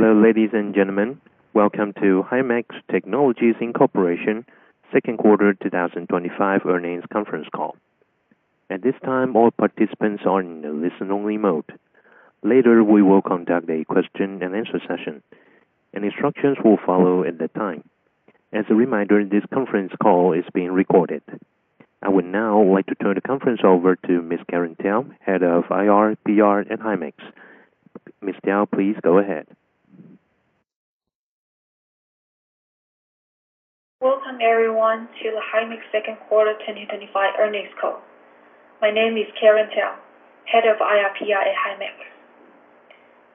Hello, ladies and gentlemen. Welcome to Himax Technologies Incorporation's second quarter 2025 earnings conference call. At this time, all participants are in a listen-only mode. Later, we will conduct a question and answer session, and instructions will follow at that time. As a reminder, this conference call is being recorded. I would now like to turn the conference over to Ms. Karen Tiao, Head of IR/PR at Himax. Ms. Tiao, please go ahead. Welcome, everyone, to the Himax second quarter 2025 earnings call. My name is Karen Tiao, Head of IR/PR at Himax.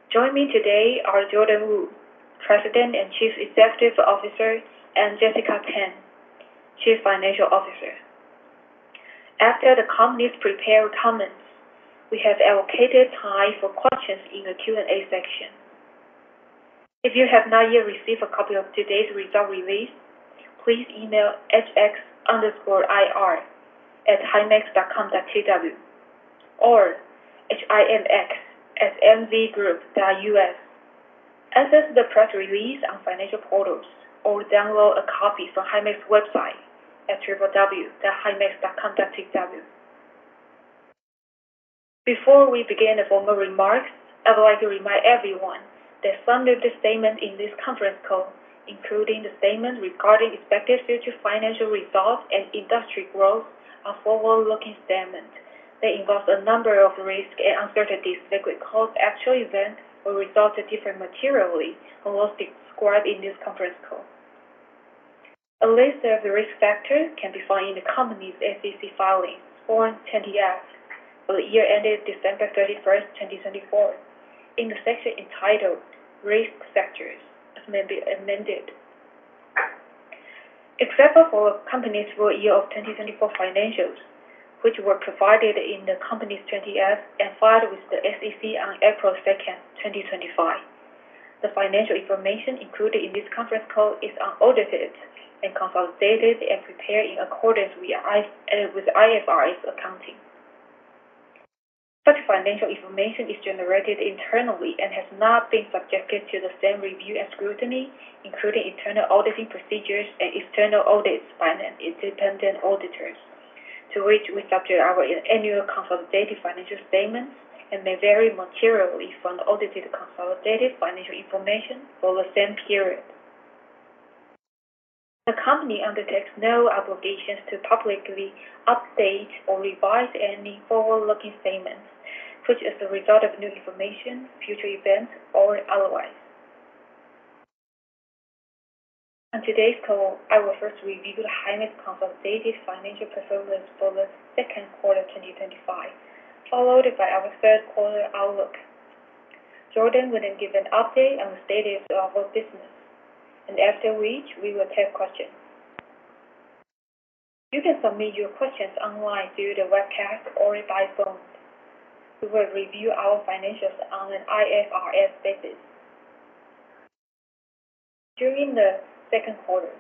Joining me today are Jordan Wu, President and Chief Executive Officer, and Jessica Pan, Chief Financial Officer. After the company's prepared comments, we have allocated time for questions in the Q&A section. If you have not yet received a copy of today's results release, please email hx_ir@himax.com.tw or himax@mzgroup.us. Access the press release on financial portals or download a copy from Himax's website at www.himax.com.tw. Before we begin the formal remarks, I would like to remind everyone that the summary of the statements in this conference call, including the statement regarding expected future financial results and industry growth, are forward-looking statements that involve a number of risks and uncertainties that could cause the actual event or result to differ materially from what's described in this conference call. A list of risk factors can be found in the company's SEC filing, Form 20-F, for the year ended December 31st, 2024, in the section entitled risk factors, as amended. Examples for companies for the year of 2024 financials, which were provided in the company's 20-F and filed with the SEC on April 2nd, 2025. The financial information included in this conference call is unaudited and consolidated and prepared in accordance with IFRS accounting. Such financial information is generated internally and has not been subjected to the same review and scrutiny, including internal auditing procedures and external audits by independent auditors, to which we subject our annual consolidated financial statements and may vary materially from audited consolidated financial information for the same period. The company undertakes no obligation to publicly update or revise any forward-looking statements, such as the result of new information, future events, or otherwise. On today's call, I will first review the Himax consolidated financial performance for the second quarter 2025, followed by our third quarter outlook. Jordan will then give an update on the status of our business, after which we will take questions. You can submit your questions online through the webcast or by phone. We will review our financials on an IFRS basis. During the second quarter,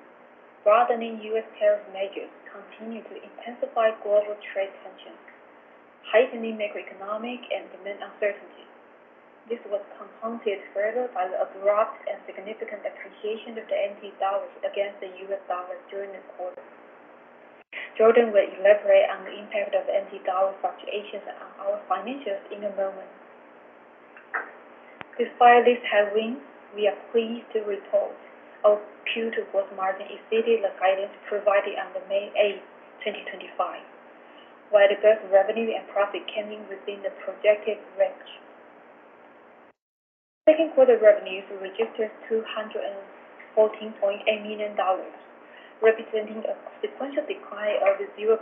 broadening U.S. tariff measures continued to intensify global trade tensions, heightening macroeconomic and demand uncertainty. This was compounded further by the abrupt and significant appreciation of the NT dollar against the U.S. dollar during the quarter. Jordan will elaborate on the impact of NT dollar fluctuations on our financials in a moment. Despite this headwind, we are pleased to report our Q2 gross margin exceeded the guidance provided on May 8th, 2025, while the best revenue and profit came in within the projected range. Second quarter revenues were just at $214.8 million, representing a substantial decline of 0.2%,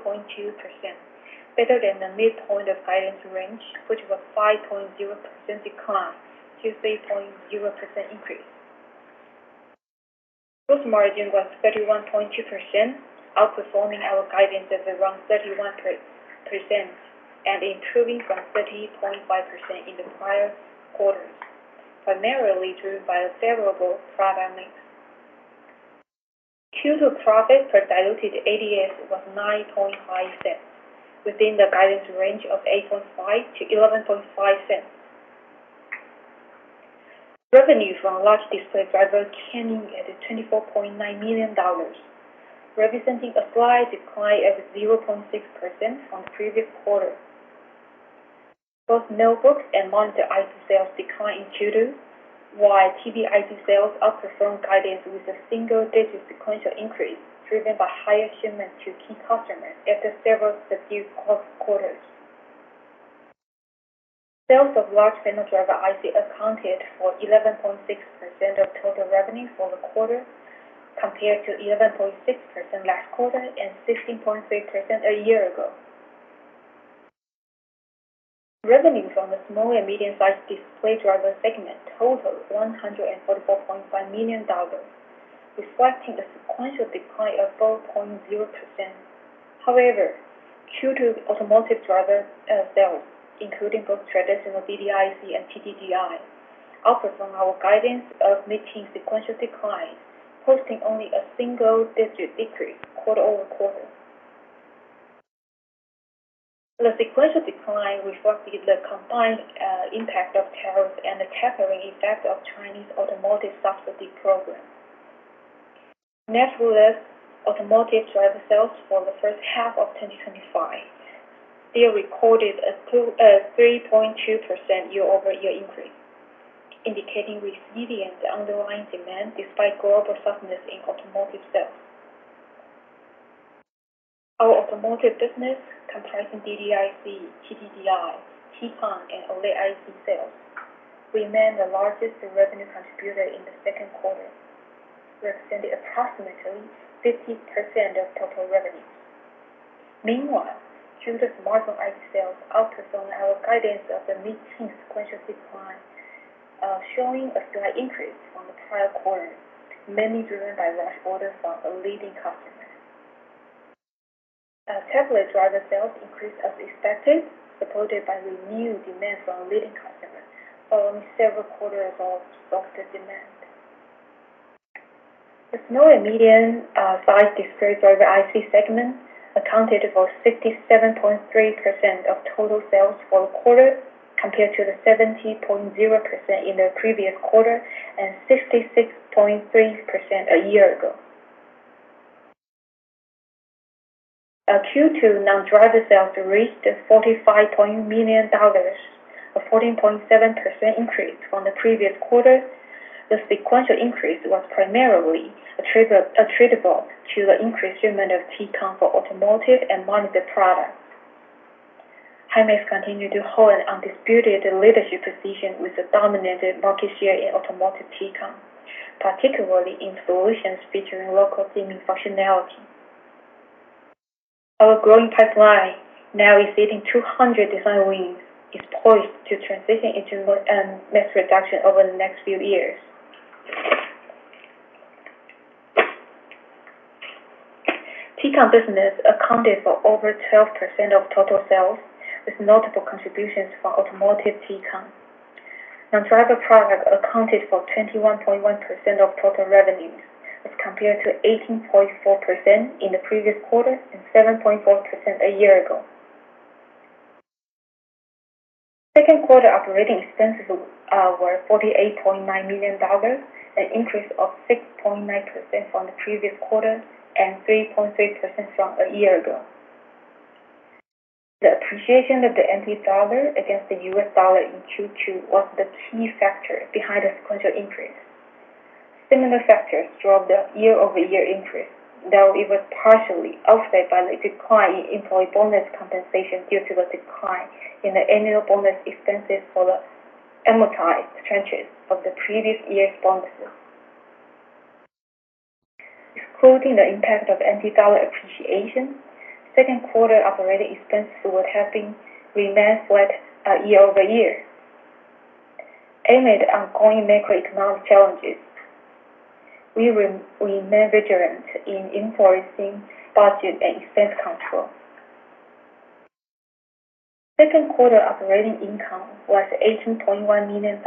better than the midpoint of guidance range, which was a 5.0% decline to a 3.0% increase. Gross margin was 31.2%, outperforming our guidance of around 31% and improving from 30.5% in the prior quarters, primarily driven by the favorable product mix. Q2 profit per diluted ADS was $0.095, within the guidance range of $0.085-$0.115. Revenues from a large display driver came in at $24.9 million, representing a slight decline of 0.6% from the previous quarter. Both notebook and monitor IC sales declined in Q2, `while DDIC sales outperformed guidance with a single-digit sequential increase driven by higher shipments to key customers after several of the few close quarters. Sales of large fender driver IC accounted for 11.6% of total revenue for the quarter, compared to 11.6% last quarter and 16.3% a year ago. Revenues on the small and medium-sized display driver segment totaled $144.5 million, reflecting the sequential decline of 4.0%. However, Q2 automotive driver sales, including both traditional DDIC and TDDI, outperformed our guidance of mid-teen sequential decline, posting only a single-digit decrease quarter over quarter. The sequential decline reflected the combined impact of tariffs and the tapering effect of Chinese automotive software deployment. Nevertheless, automotive driver sales for the first half of 2025 still recorded a 3.2% year-over-year increase, indicating resilience to underlying demand despite global softeners in automotive sales. Our automotive business, comprising DDIC, TDDI, T-CON and OLED IC sales, remained the largest revenue contributor in the second quarter, representing approximately 15% of total revenue. Meanwhile, Q2 smartphone IC sales outperformed our guidance of the mid-teen sequential decline, showing a slight increase from the prior quarter, mainly driven by raw orders from leading customers. Tesla driver sales increased as expected, supported by renewed demand from leading customers, following several quarters of the demand. The small and medium-sized display driver IC segment accounted for 67.3% of total sales for the quarter, compared to 70.0% in the previous quarter and 56.3% a year ago. Q2 non-driver sales reached $45.8 million, a 14.7% increase from the previous quarter. The sequential increase was primarily attributable to the increased shipment of T-CON for automotive and monitored products. Himax continued to hold undisputed leadership positions with a dominant market share in automotive T-CON, particularly in solutions featuring local teaming functionality. Our growing pipeline, now exceeding 200 design wins, is poised to transition into mass production over the next few years. T-CON business accounted for over 12% of total sales, with notable contributions for automotive T-CON. Non-driver products accounted for 21.1% of total revenues, as compared to 18.4% in the previous quarter and 7.4% a year ago. Second quarter operating expenses were $48.9 million, an increase of 6.9% from the previous quarter and 3.3% from a year ago. The appreciation of the NT dollar against the U.S. dollar in Q2 was the key factor behind the sequential increase. Similar factors drove the year-over-year increase, though it was partially offset by the decline in employee bonus compensation due to the decline in the annual bonus expenses for the amortized pension of the previous year's bonuses. Excluding the impact of NT dollar appreciation, second quarter operating expenses would have remained flat year-over-year. Amid ongoing macroeconomic challenges, we remain vigilant in enforcing budget and expense control. Second quarter operating income was $18.1 million,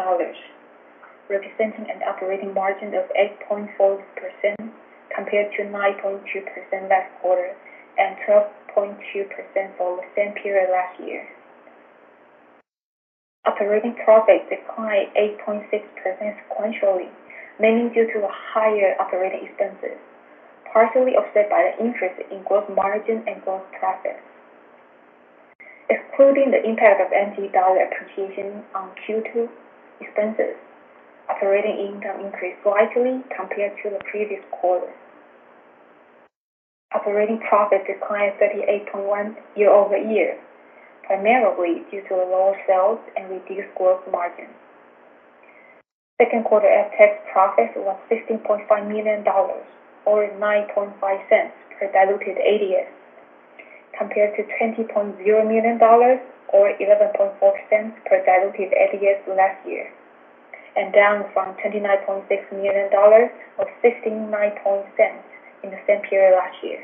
representing an operating margin of 8.4% compared to 9.2% last quarter and 12.2% for the same period last year. Operating profit declined 8.6% sequentially, mainly due to the higher operating expenses, partially offset by the increase in gross margin and gross profit. Excluding the impact of New Zealand dollar appreciation on Q2 expenses, operating income increased slightly compared to the previous quarter. Operating profit declined 38.1% year-over-year, primarily due to the lower sales and reduced gross margins. Second quarter FTEX profits were $15.5 million or $0.095 per diluted ADS, compared to $20.0 million or $0.114 per diluted ADS last year, and down from $29.6 million or $0.59 in the same period last year.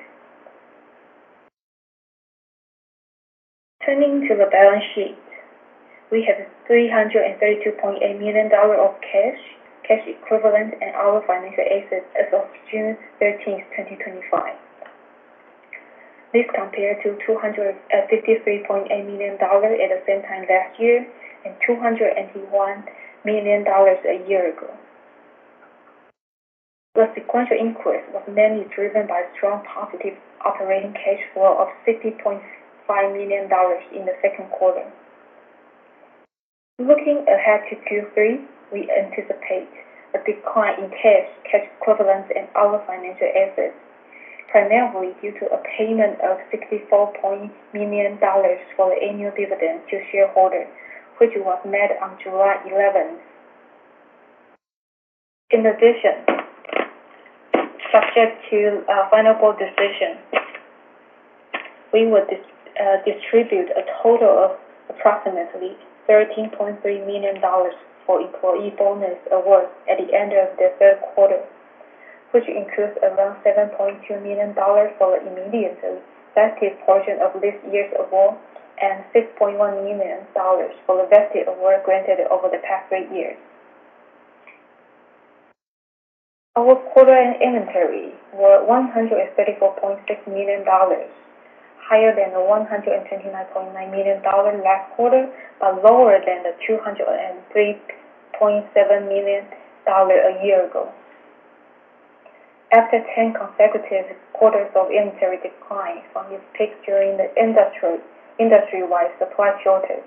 Turning to the balance sheet, we have $332.8 million of cash, cash equivalent in our financial assets as of June 13th, 2025. This is compared to $253.8 million at the same time last year and $201 million a year ago. The sequential increase was mainly driven by a strong positive operating cash flow of $50.5 million in the second quarter. Looking ahead to Q3, we anticipate a decline in cash, cash equivalent in our financial assets, primarily due to a payment of $64.0 million for the annual dividend to shareholders, which was made on July 11th. In addition, subject to a final board decision, we will distribute a total of approximately $13.3 million for employee bonus awards at the end of the third quarter, which includes around $7.2 million for the immediate vested portion of this year's award and $6.1 million for the vested award granted over the past three years. Our quarterly inventory was $134.6 million, higher than the $129.9 million last quarter, but lower than the $203.7 million a year ago. After 10 consecutive quarters of inventory decline from its peak during the industry-wide supply shortage,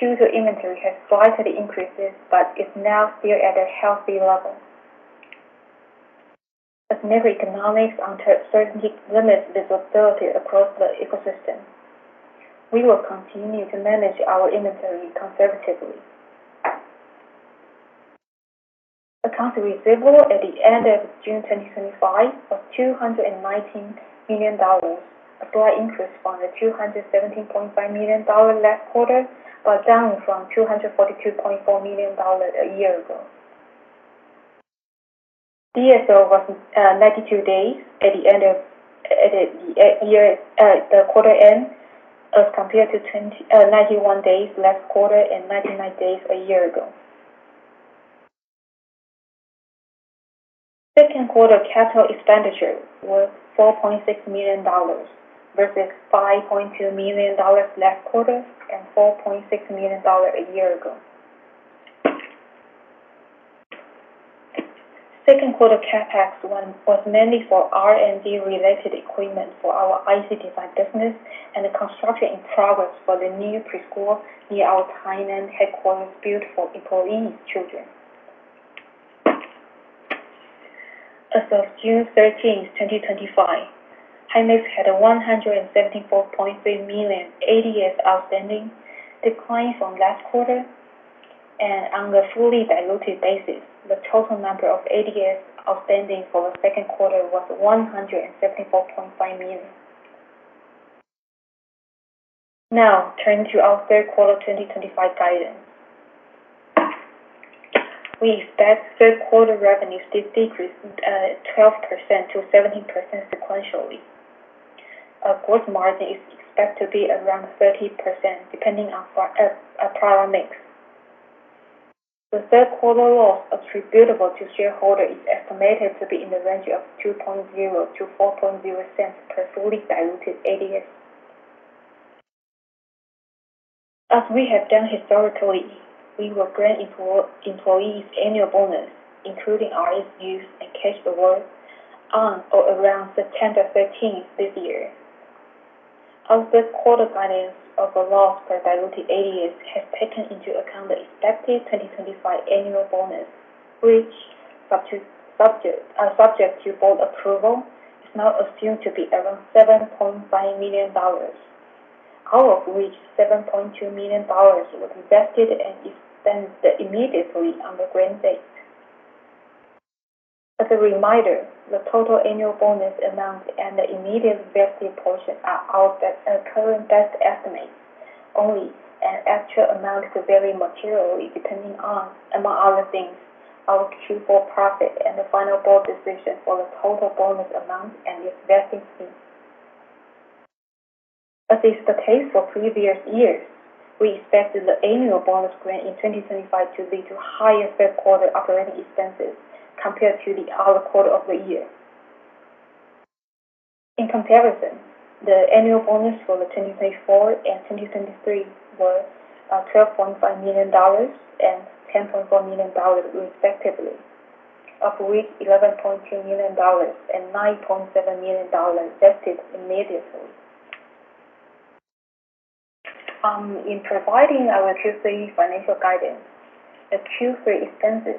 Q2 inventory has slightly increased but is now still at a healthy level. As macroeconomics uncertainty limits visibility across the ecosystem, we will continue to manage our inventory conservatively. Accounts receivable at the end of June 2025 are $219 million, a slight increase from the $270.5 million last quarter, but down from $242.4 million a year ago. DSO was 92 days at the quarter end, as compared to 91 days last quarter and 99 days a year ago. Second quarter capital expenditure was $4.6 million, versus $5.2 million last quarter and $4.6 million a year ago. Second quarter CapEx was mainly for R&D-related equipment for our IC design business and the construction in progress for the new preschool near our Tainan headquarters built for employee children. As of June 13, 2025, Himax had 174.3 million ADS outstanding, declining from last quarter, and on a fully diluted basis, the total number of ADS outstanding for the second quarter was 174.5 million. Now, turning to our third quarter 2025 guidance, we expect third quarter revenue to decrease 12%-17% sequentially. Our gross margin is expected to be around 30%, depending on our product mix. The third quarter loss attributable to shareholders is estimated to be in the range of $0.02-$0.04 per fully diluted ADS. As we have done historically, we will grant employees annual bonus, including RSUs and cash awards, on or around September 13th this year. Our third quarter guidance of the loss for diluted ADS has taken into account the expected 2025 annual bonus, which is subject to board approval, is now assumed to be around $7.5 million, out of which $7.2 million was invested and is spent immediately on the grant base. As a reminder, the total annual bonus amount and the immediate vested portion are our current best estimates. Only an actual amount could vary materially, depending on, among other things, our Q3 profit and the final board decision for the total bonus amount and its vesting fee. As is the case for previous years, we invested the annual bonus grant in 2025 to lead to higher third quarter operating expenses compared to the other quarter of the year. In comparison, the annual bonus for 2024 and 2023 was $12.5 million and $10.4 million, respectively, of which $11.2 million and $9.7 million invested immediately. In providing our TSA financial guidance, Q3 expenses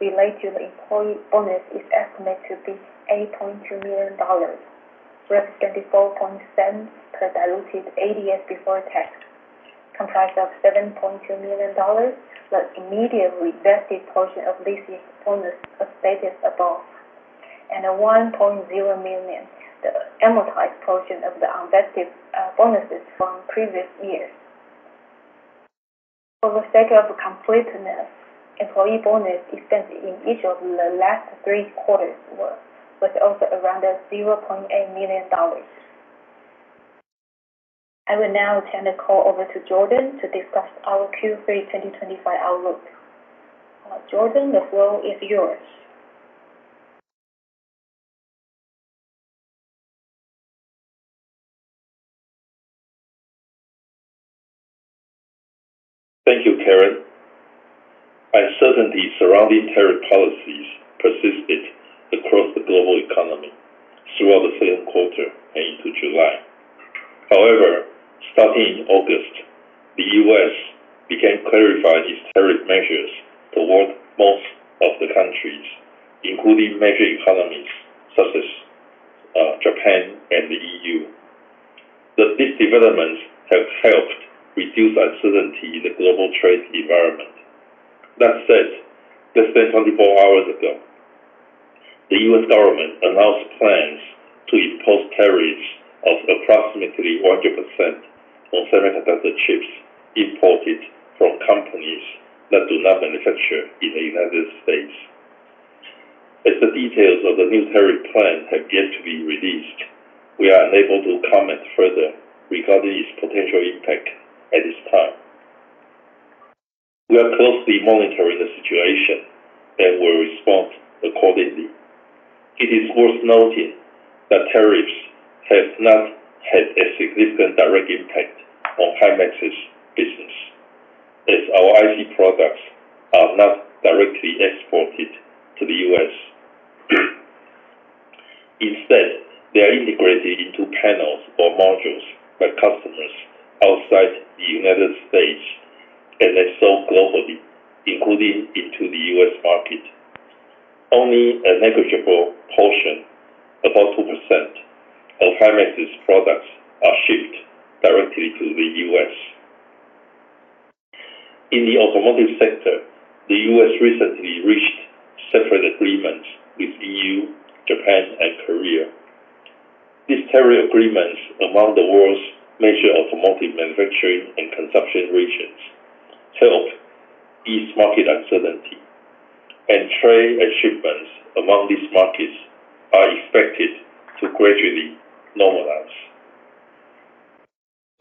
related to the employee bonus is estimated to be $8.2 million, representing 4.7% per diluted ADS before tax, comprised of $7.2 million for the immeiately vested portion of this year's bonus as stated above, and $1.0 million for the amortized portion of the unvested bonuses from previous years. For the sake of completeness, employee bonus expense in each of the last three quarters was also around $0.8 million. I will now turn the call over to Jordan to discuss our Q3 2025 outlook. Jordan, the floor is yours. Thank you, Karen. I certainly see the surrounding tariff policies persisted across the global economy throughout the same quarter and into July. However, starting in August, the U.S. began clarifying its tariff measures toward most of the countries, including major economies such as Japan and the EU. These developments have helped reduce uncertainty in the global trade environment. That said, less than 24 hours ago, the U.S. government announced plans to impose tariffs of approximately 100% on semiconductor chips imported from companies that do not manufacture in the United States. As the details of the new tariff plan have yet to be released, we are unable to comment further regarding its potential impact at this time. We are closely monitoring the situation and will respond accordingly. It is worth noting that tariffs have not had a significant direct impact on Himax's business, as our IC products are not directly exported to the U.S. Instead, they are integrated into panels or modules by customers outside the United States and then sold globally, including into the U.S. market. Only a negligible portion, about 2%, of Himax's products are shipped directly to the U.S. In the automotive sector, the U.S. recently reached several agreements with the EU, Japan, and Korea. These tariff agreements among the world's major automotive manufacturing and consumption regions help ease market uncertainty, and trade achievements among these markets are expected to gradually normalize.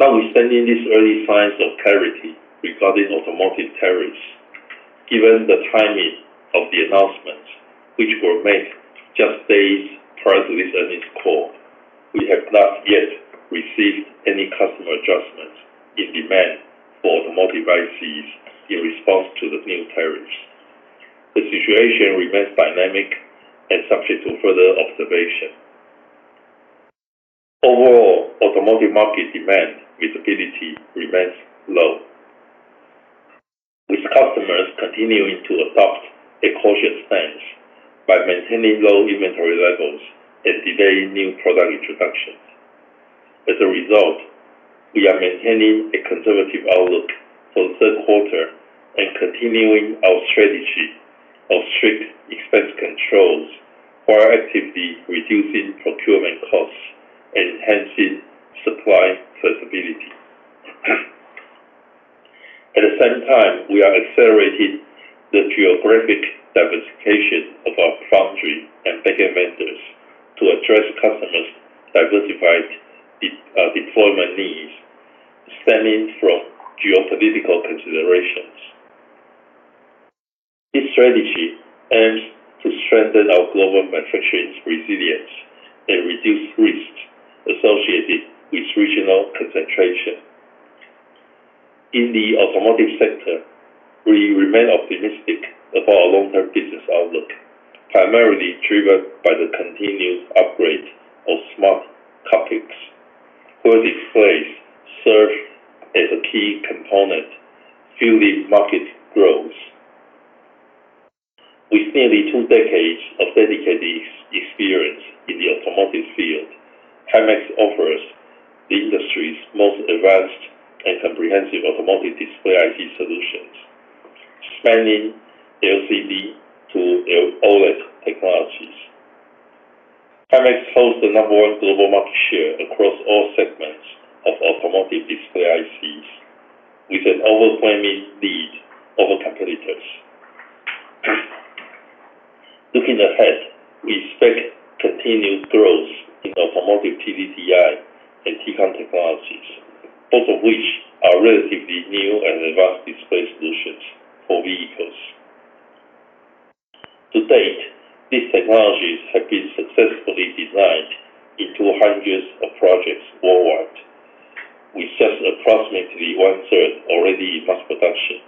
Notwithstanding these early signs of clarity regarding automotive tariffs, given the timing of the announcements, which were made just days prior to this earnings call, we have not yet received any customer adjustments in demand for automotive ICs in response to the new tariffs. The situation remains dynamic and subject to further observation. Overall, automotive market demand visibility remains low. With customers continuing to adopt a cautious stance by maintaining low inventory levels and delaying new product introductions, as a result, we are maintaining a conservative outlook for the third quarter and continuing our strategy of strict expense controls while actively reducing procurement costs and enhancing supply flexibility. At the same time, we are accelerating the geographic diversification of our foundry and backend vendors to address customers' diversified deployment needs, stemming from geopolitical considerations. This strategy aims to strengthen our global manufacturing's resilience and reduce risks associated with regional concentration. In the automotive sector, we remain optimistic about our long-term business outlook, primarily driven by the continuous upgrade of smart car fixes. Both displays serve as a key component fueling market growth. With nearly two decades of dedicated experience in the automotive field, Himax offers the industry's most advanced and comprehensive automotive display IC solutions, spanning LCD to OLED technologies. Himax holds the number one global market share across all segments of automotive display ICs, with an overwhelming lead over competitors. Looking ahead, we expect continued growth in the automotive TDDI and T-CON technologies, both of which are relatively new and advanced display solutions for vehicles. To date, these technologies have been successfully designed in 200 projects worldwide, with just approximately one-third already in mass production,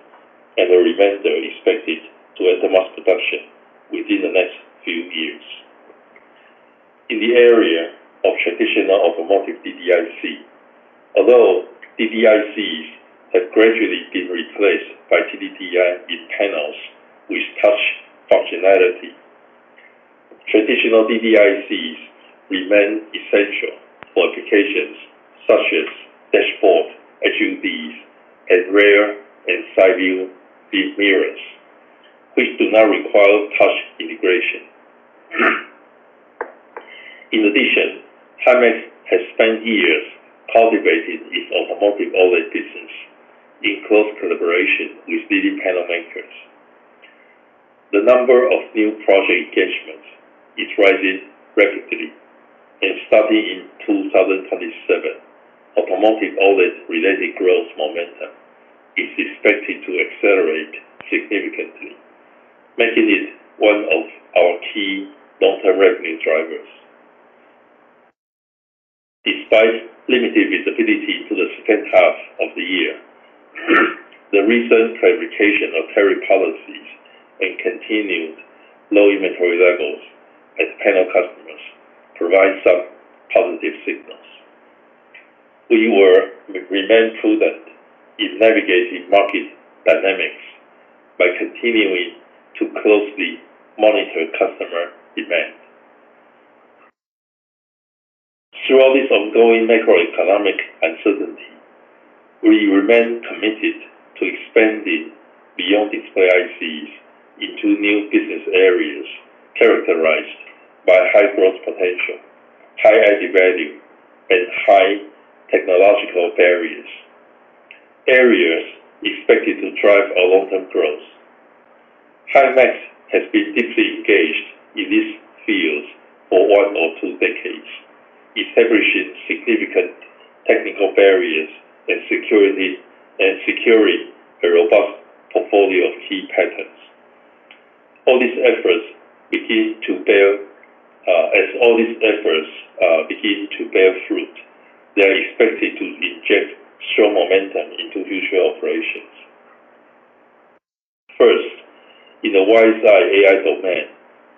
and the remainder expected to enter mass production within the next few years. In the area of traditional automotive DDIC, although DDICs have gradually been replaced by DDIC panels with touch functionality, traditional DDICs remain essential for applications such as dashboards, HUDs, and rear and side view mirrors, which do not require touch integration. In addition, Himax has spent years cultivating its automotive OLED business in close collaboration with leading panel vendors. The number of new project engagements is rising rapidly, and starting in 2027, automotive OLED-related growth momentum is expected to accelerate significantly, making it one of our key long-term revenue drivers. Despite limited visibility into the second half of the year, the recent clarification of tariff policies and continued low inventory levels as panel customers provide some positive signals. We will remain prudent in navigating market dynamics by continuing to closely monitor customer demand. Throughout this ongoing macroeconomic uncertainty, we remain committed to expanding beyond display ICs into new business areas characterized by high growth potential, high added value, and high technological barriers, areas expected to drive our long-term growth. Himax has been deeply engaged in these fields for one or two decades, establishing significant technical barriers and securing a robust portfolio of key patents. All these efforts begin to bear fruit. They are expected to inject strong momentum into future operations. First, in the WiseEye AI domain,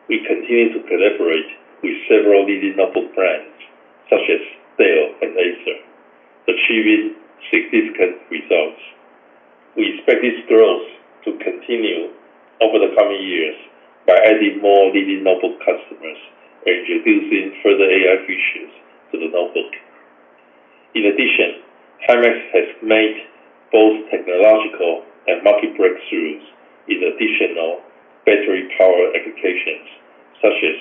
we continue to collaborate with several leading notebook brands such as Dell and Acer, achieving significant results. We expect this growth to continue over the coming years by adding more leading notebook customers and introducing further AI features to the notebook. In addition, Himax has made both technological and market breakthroughs in additional battery-powered applications such as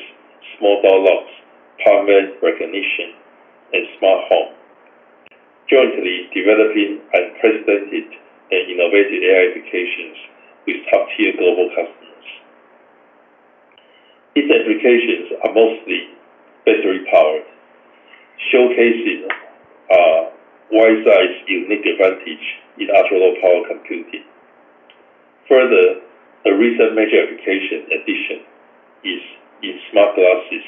small door locks, parameter recognition, and smart home, jointly developing unprecedented and innovative AI applications with top-tier global customers. These applications are mostly battery-powered, showcasing WiseEye's unique advantage in ultralow power computing. Further, a recent major application addition is in AR glasses.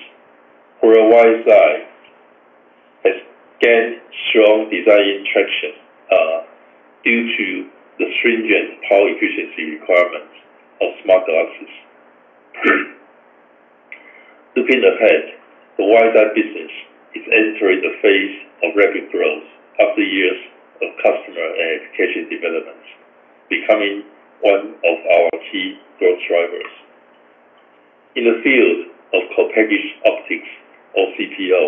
Here, WiseEye has gained strong design traction due to the stringent power efficiency requirements of AR glasses. Looking ahead, the WiseEye business is entering the phase of rapid growth after years of customer and education developments, becoming one of our key growth drivers. In the field of co-packaged optics, or CPO,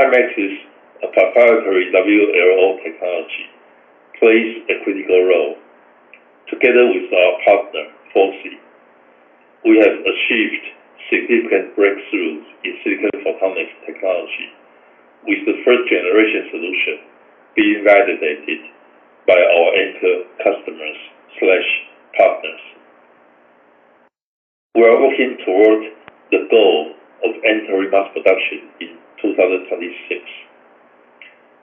Himax is proprietary WLO technology plays a critical role. Together with our partner FOCI, we have achieved significant breakthroughs in silicon photonics technology, with the first-generation solution being validated by our Acer customers and partners. We are working toward the goal of entering mass production in 2026.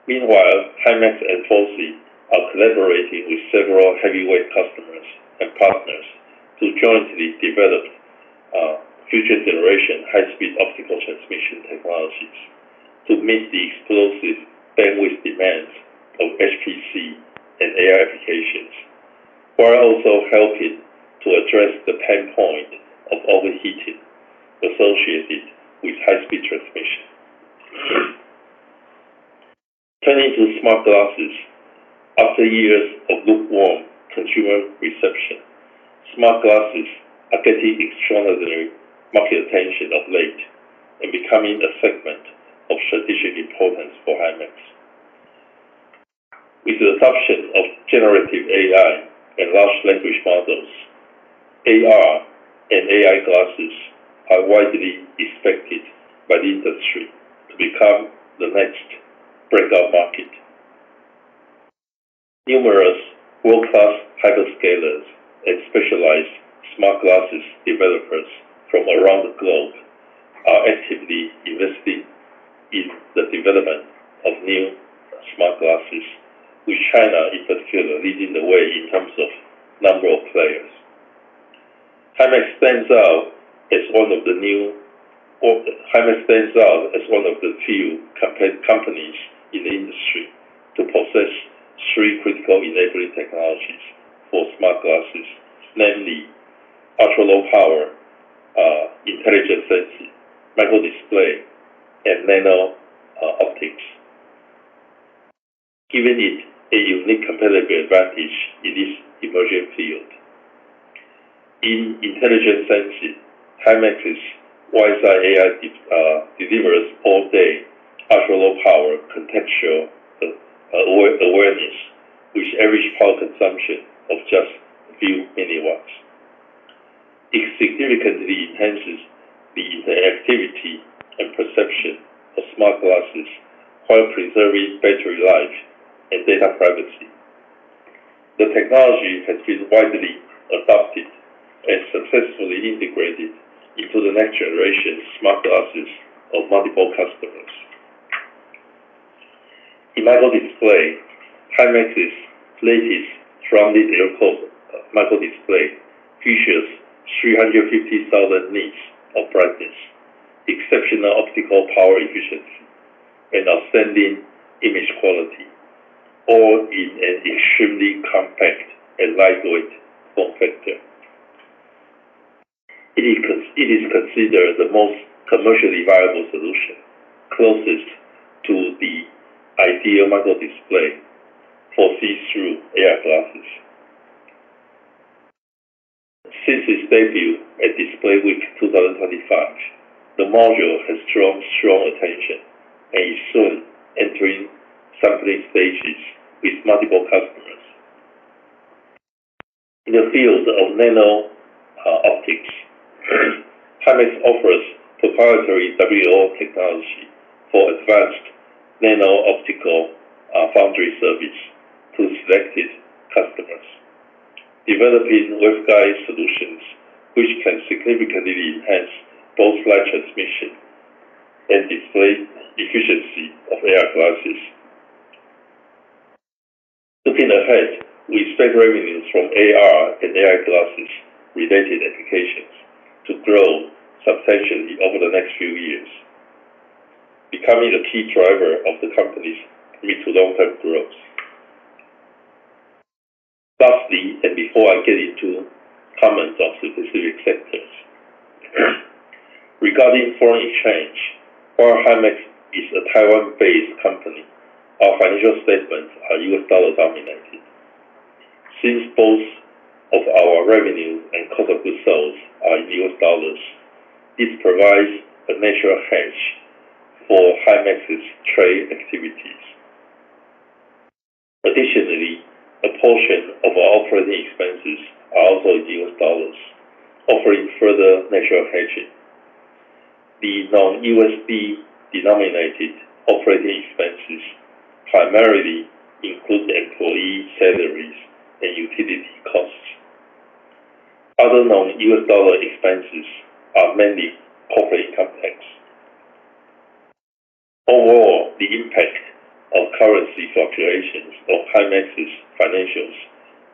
Meanwhile, Himax and FOCI are collaborating with several heavyweight customers and partners to jointly develop future-generation high-speed optical transmission technologies to meet the explosive bandwidth demands of data center and AI applications, while also helping to address the pain point of overheating associated with high-speed transmission. Turning to AR glasses, after years of lukewarm consumer reception, AR glasses are getting extraordinary market attention of late and becoming a segment of strategic importance for Himax. With the adoption of generative AI and large language models, AR and AI glasses are widely expected by the industry to become the next breakout market. Numerous world-class hyperscalers and specialized AR glasses developers from around the globe are actively investing in the development of new AR glasses, with China in particular leading the way in terms of the number of players. Himax stands out as one of the few companies in the industry to possess three critical enabling technologies for smart glasses, namely ultralow power, intelligent sensing, micro display, and nano optics, giving it a unique competitive advantage in this emerging field. In intelligent sensing, Himax's WiseEye AI delivers all-day ultralow power contextual awareness, which averages power consumption of just a few milliwatts. It significantly enhances the interactivity and perception of smart glasses while preserving battery life and data privacy. The technology has been widely adopted and successfully integrated into the next generation of smart glasses of multiple customers. In micro display, Himax's latest surrounding the airport micro display features 350,000 nits of brightness, exceptional optical power efficiency, and outstanding image quality, all in an extremely compact and lightweight form factor. It is considered the most commercially viable solution, closest to the ideal micro display for see-through AR glasses. Since its debut at Display Week 2025, the module has drawn strong attention and is soon entering sampling stages with multiple customers. In the field of nano optics, Himax offers proprietary WLO technology for advanced nano optical foundry service to selected customers, developing waveguide solutions which can significantly enhance both light transmission and display efficiency of AR glasses. Looking ahead, we expect revenues from AR and AR glasses-related applications to grow substantially over the next few years, becoming a key driver of the company's mid-to-long-term growth. Lastly, and before I get into comments on specific sectors, regarding foreign exchange, while Himax is a Taiwan-based company, our financial statements are U.S. dollar dominated. Since both of our revenues and quarterly sales are in U.S. dollars, this provides a natural hedge for Himax's trade activities. Additionally, a portion of our operating expenses are also in U.S. dollars, offering further natural hedging. The non-USD denominated operating expenses primarily include employee salaries and utility costs. Other non-U.S. dollar expenses are mainly corporate income tax. Overall, the impact of currency fluctuations on Himax's financials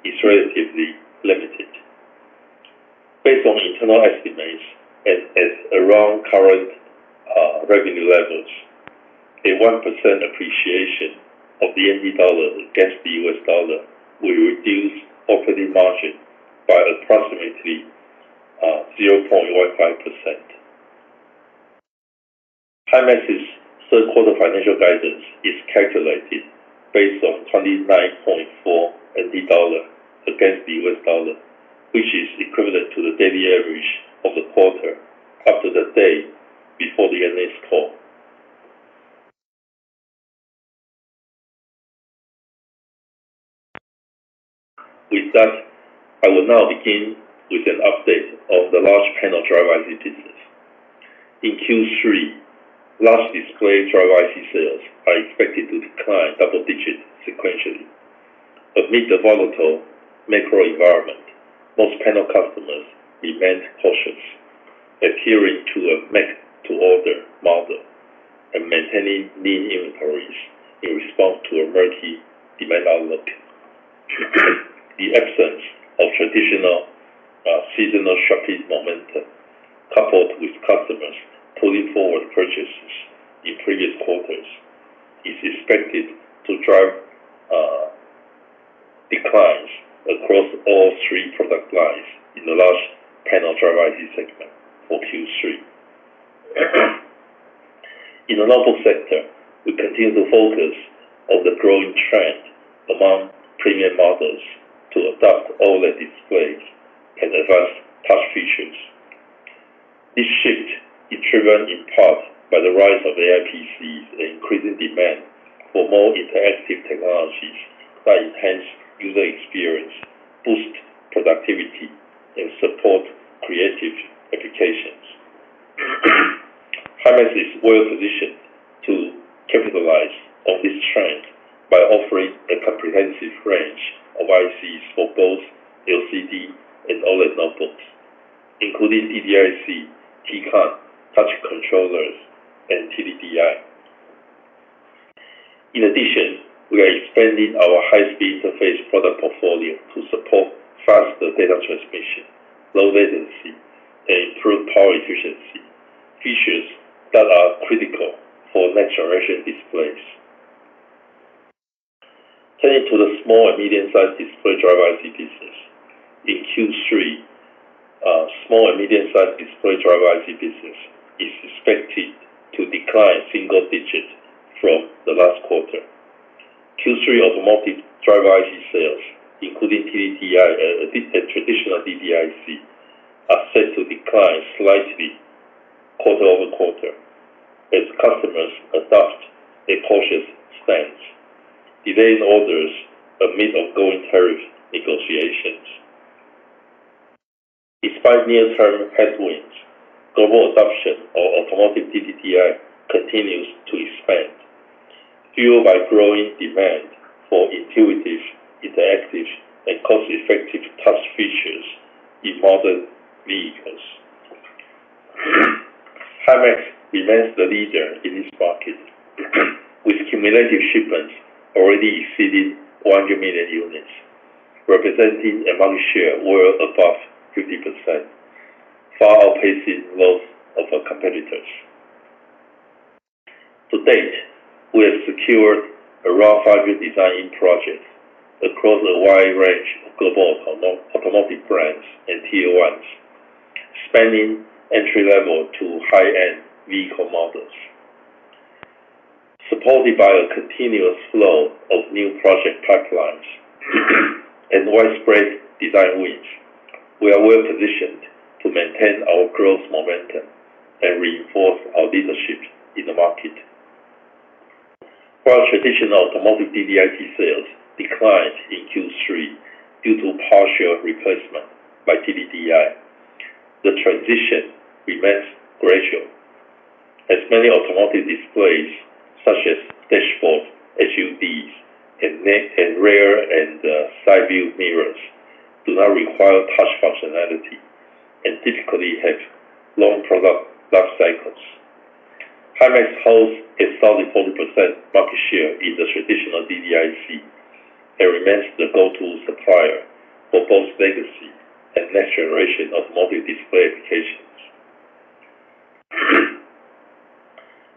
is relatively limited. Based on internal estimates and around current revenue levels, a 1% appreciation of the NT dollar against the U.S. dollar will reduce operating margin by approximately 0.15%. Himax's third quarter financial guidance is calculated based on 29.4 NT dollar against the U.S. dollar, which is equivalent to the daily average of the quarter after the day before the earnings call. With that, I will now begin with an update of the large panel driver IC business. In Q3, large display driver IC sales are expected to decline double digits sequentially. Amid the volatile macro environment, most panel customers demand cautious, adhering to a max-to-order model and maintaining lean inventories in response to emerging demand outlook. The absence of traditional seasonal shortage momentum, coupled with customers pulling forward purchases in previous quarters, is expected to drive declines across all three product lines in the large panel driver IC segment for Q3. In the notebook sector, we continue to focus on the growing trend among premium models to adopt OLED displays and advanced touch features. This shift is driven in part by the rise of AI PCs and increasing demand for more interactive technologies that enhance user experience, boost productivity, and support creative applications. Himax is well-positioned to capitalize on this trend by offering a comprehensive range of ICs for both LCD and OLED notebooks, including DDIC, T-CON, touch controllers, and TDDI. In addition, we are expanding our high-speed surface product portfolio to support faster data transmission, low latency, and improved power efficiency, features that are critical for next-generation displays. Turning to the small and medium-sized display driver IC business. In Q3, small and medium-sized display driver IC business is expected to decline a single digit from the last quarter. Q3 automotive driver IC sales, including TDDI and traditional DDIC, are set to decline slightly quarter over quarter as customers adopt a cautious stance, delaying orders amid ongoing tariff negotiations. Despite near-term headwinds, global adoption of automotive TDDI continues to expand, fueled by growing demand for intuitive, interactive, and cost-effective touch features in modern vehicles. Himax remains the leader in this market, with cumulative shipments already exceeding 100 million units, representing a market share well above 50%, far outpacing those of our competitors. To date, we have secured around 500 design projects across a wide range of global automotive brands and Tier 1s, spanning entry-level to high-end vehicle models. Supported by a continuous flow of new project pipelines and widespread design wins, we are well positioned to maintain our growth momentum and reinforce our leadership in the market. While traditional automotive DDIC sales declined in Q3 due to partial replacement by TDDI, the transition remains gradual, as many automotive displays, such as dashboards, SUVs, and rear and side view mirrors, do not require touch functionality and typically have long product life cycles. Himax holds a solid 40% market share in the traditional DDIC and remains the go-to supplier for both legacy and next-generation automotive display applications.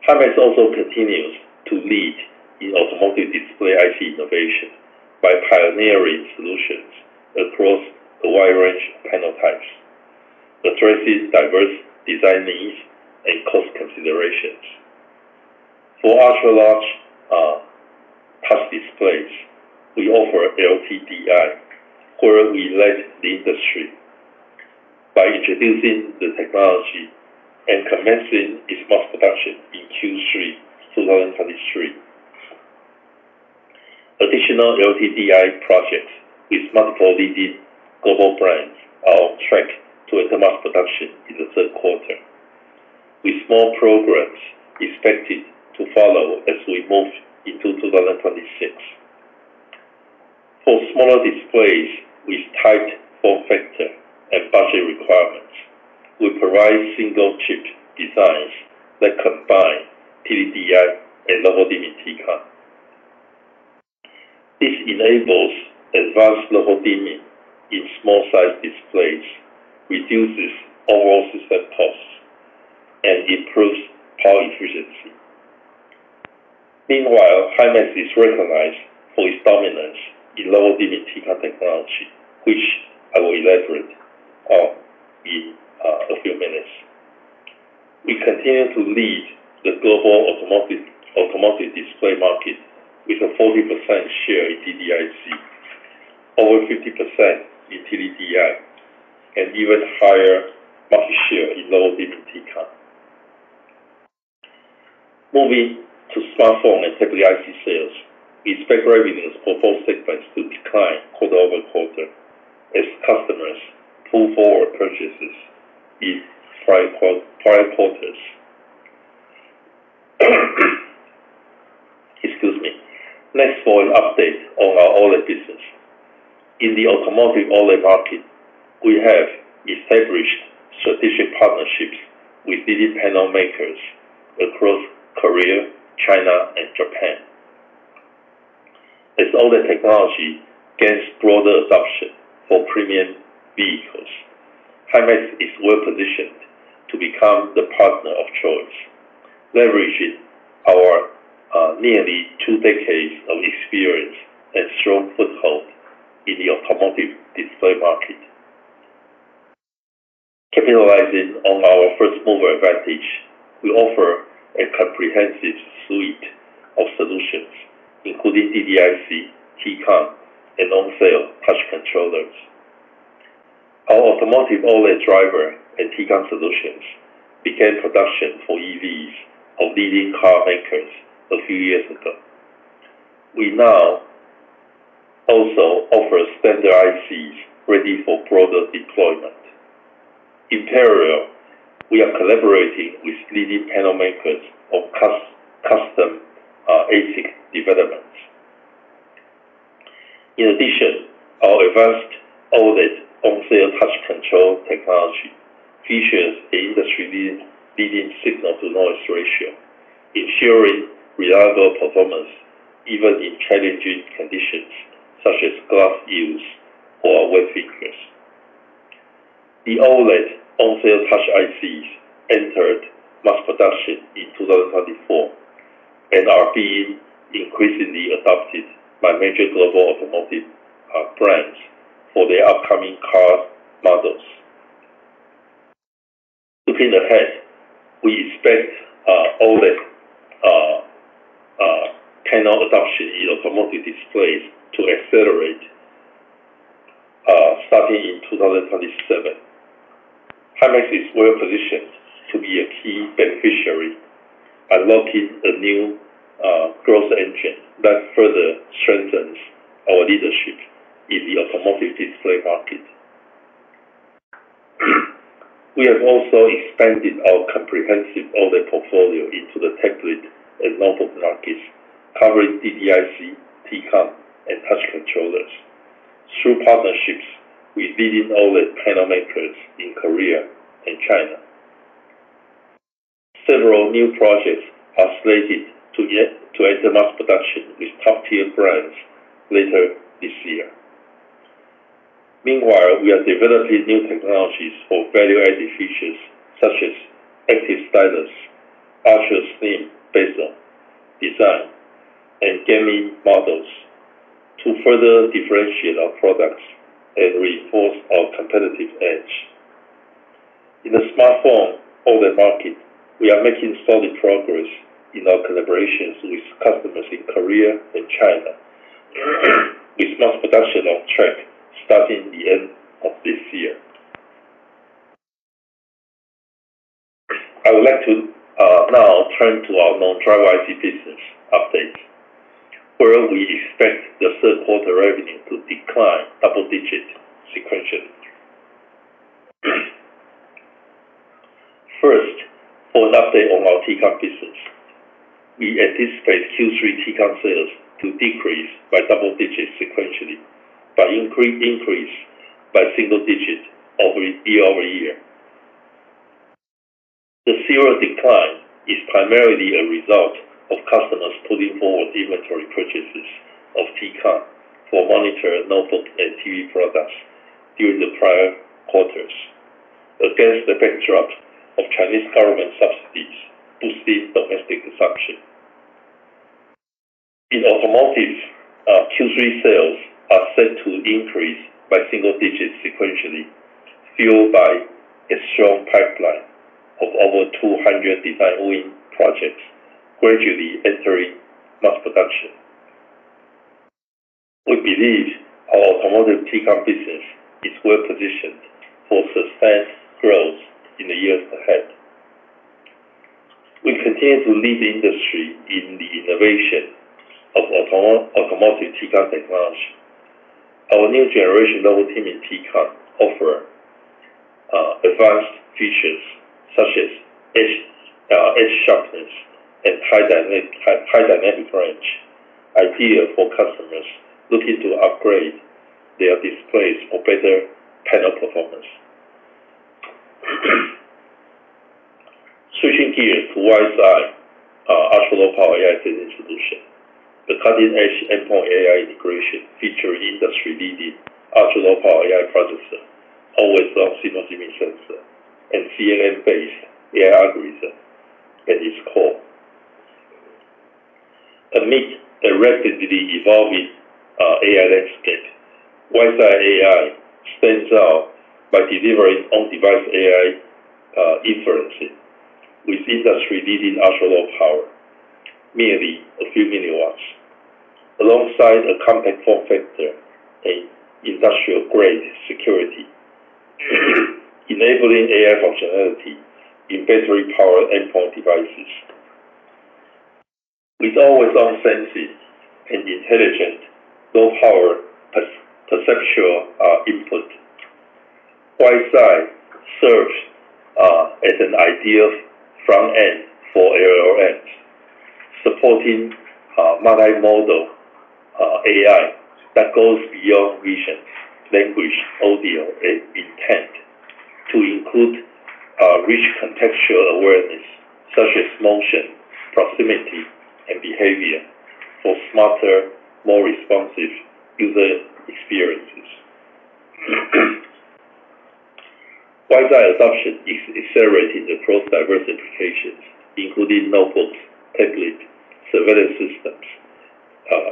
Himax also continues to lead in automotive display IC innovation by pioneering solutions across a wide range of panel types that address diverse design needs and cost considerations. For ultra-large touch displays, we offer LCDI, where we led the industry by introducing the technology and commencing its mass production in Q3 of 2023. Additional LCDI projects with smart portal global brands are on track to enter mass production in the third quarter, with small programs expected to follow as we move into 2026. For smaller displays with tight form factor and budget requirements, we provide single-chip designs that combine TDDI and low volume T-CON. This enables advanced low volume in small-sized displays, reduces overall system costs, and improves power efficiency. Meanwhile, Himax is recognized for its dominance in low volume T-CON technology, which I will elaborate on in a few minutes. We continue to lead the global automotive display market with a 40% share in DDIC, over 50% in TDDI, and even higher market share in low volume T-CON. Moving to smartphone and tablet IC sales, we expect revenues of all segments to decline quarter over quarter as customers pull forward purchases in five quarters. Next for an update on our OLED business. In the automotive OLED market, we have established strategic partnerships with leading panel makers across Korea, China, and Japan. As OLED technology gains broader adoption for premium vehicles, Himax is well-positioned to become the partner of choice, leveraging our nearly two decades of experience and strong foothold in the automotive display market. Capitalizing on our first-mover advantage, we offer a comprehensive suite of solutions, including OLED ICs, T-CON, and on-cell touch controllers. Our automotive OLED driver and T-CON solutions began production for EVs of leading car makers a few years ago. We now also offer standardized seats ready for broader deployment. In parallel, we are collaborating with leading panel makers on custom ASIC developments. In addition, our advanced OLED on-cell touch control technology features an industry-leading signal-to-noise ratio, ensuring reliable performance even in challenging conditions such as glass use or weather seekers. The OLED on-cell touch ICs entered mass production in 2024 and are being increasingly adopted by major global automotive brands for their upcoming car models. Looking ahead, we expect OLED panel adoption in automotive displays to accelerate, starting in 2027. Himax is well-positioned to be a key beneficiary by locking a new growth engine that further strengthens our leadership in the automotive display market. We have also expanded our comprehensive OLED portfolio into the tablet and notebook markets, covering DDIC, T-CON, and touch controllers through partnerships with leading OLED panel makers in Korea and China. Several new projects are slated to enter mass production with top-tier brands later this year. Meanwhile, we are developing new technologies for various features such as active stylus, partial-slim bezel design, and gaming models to further differentiate our products and reinforce our competitive edge. In the smartphone OLED market, we are making solid progress in our collaborations with customers in Korea and China, with mass production on track starting the end of this year. I would like to now turn to our non-driver IC business updates, where we expect the third quarter revenue to decline double digits sequentially. First, for an update on our T-CON business, we anticipate Q3 T-CON sales to decrease by double digits sequentially, but increase by single digits year-over-year. The sequential decline is primarily a result of customers pulling forward inventory purchases of T-CON for monitor, notebook, and TD products during the prior quarters, against the backdrop of Chinese government subsidies boosting domestic consumption. In automotive, Q3 sales are set to increase by single digits sequentially, fueled by a strong pipeline of over 200 design-win projects gradually entering mass production. We believe our automotive T-CON business is well-positioned for sustained growth in the years ahead. We continue to lead the industry in the innovation of automotive T-CON technology. Our new generation notebook team in T-CON offers advanced features such as edge sharpness and high dynamic range ideas for customers looking to upgrade their displays for better panel performance. Switching gears to WiseEye ultra-low power AI techniques solution, the cutting-edge endpoint AI integration featuring industry-leading ultra-low power AI processor, always on single-dimension, and CNN-based AI algorithm at its core. Amid a rapidly evolving AI landscape, WiseEye AI stands out by delivering on-device AI inferencing with industry-leading ultra-low power, merely a few milliwatts, alongside a compact form factor and industrial-grade security, enabling AI functionality in battery-powered endpoint devices. With always-on sensing and intelligent low-power perceptual input, WiseEye serves as an ideal front end for LLMs, supporting multimodal AI that goes beyond vision, language, audio, and intent to include rich contextual awareness such as motion, proximity, and behavior for smarter, more responsive user experiences. WiseEye adoption is accelerating across diverse applications, including notebooks, tablets, surveillance systems,